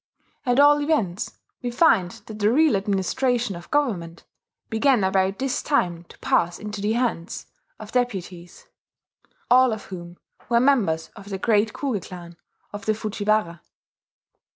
At all events we find that the real administration of government began about this time to pass into the hands of deputies, all of whom were members of the great Kuge clan of the Fujiwara.